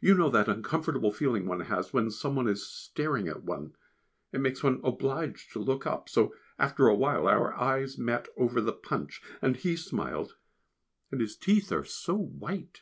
You know that uncomfortable feeling one has when some one is staring at one it makes one obliged to look up so after a while our eyes met over the Punch, and he smiled, and his teeth are so white.